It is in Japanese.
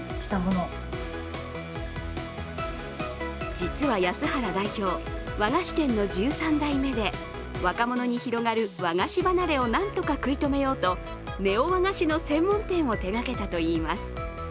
実は安原代表、和菓子店の１３代目で若者に広がる和菓子離れをなんとか食い止めようとネオ和菓子の専門店を手がけたといいます。